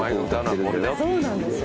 そうなんですよ。